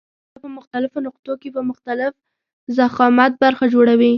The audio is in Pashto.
بیا په مختلفو نقطو کې په مختلف ضخامت برخه جوړوي.